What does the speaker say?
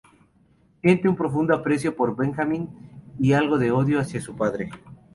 Siente un profundo aprecio por Benjamín, y algo de odio hacia su padre.